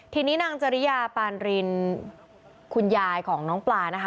ทีนี้นางจริยาปานรินคุณยายของน้องปลานะคะ